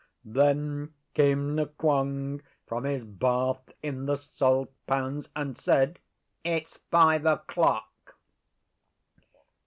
Then came Nqong from his bath in the salt pans, and said, 'It's five o'clock.